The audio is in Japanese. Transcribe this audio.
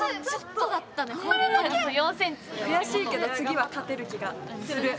くやしいけど次は勝てる気がする。